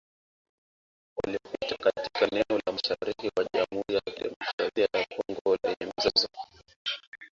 Yaliyopo katika eneo la mashariki mwa Jamuhuri ya Kidemokrasia ya Kongo lenye mzozo